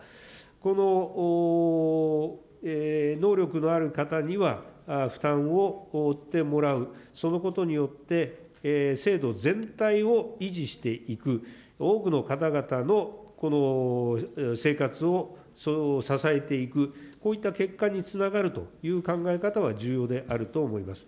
この能力のある方には、負担を負ってもらう、そのことによって、制度全体を維持していく、多くの方々の生活を支えていく、こういった結果につながるという考え方は重要であると思います。